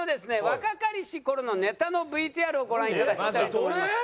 若かりし頃のネタのＶＴＲをご覧いただきたいと思います。